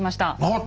あっ！